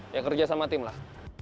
ya kerja sama tim lah